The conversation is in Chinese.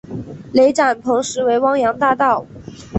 雷展鹏实为汪洋大盗。